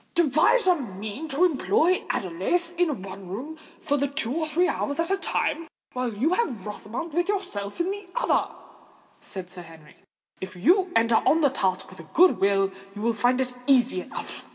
"Devise a means to employ Adelais in one room for two or three hours at a time, while you have Rosamond with you in another," said Sir Henry. "If you enter on the task with a good will, you will find it easy enough."